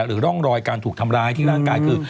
หรือร่องรอยการถูกทำร้ายที่ร่างกายคือ